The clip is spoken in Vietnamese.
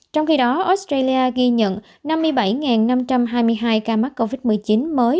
trong khi đó australia ghi nhận năm mươi bảy năm trăm hai mươi hai ca mắc covid một mươi chín mới